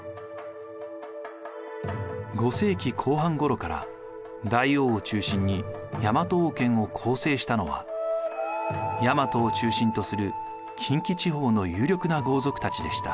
５世紀後半ごろから大王を中心に大和王権を構成したのは大和を中心とする近畿地方の有力な豪族たちでした。